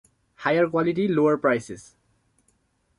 Higher quality, lower prices.